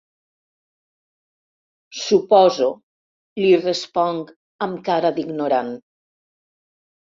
Suposo —li responc, amb cara d'ignorant—.